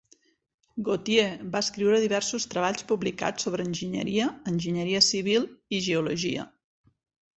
Gautier va escriure diversos treballs publicats sobre enginyeria, enginyeria civil i Geologia.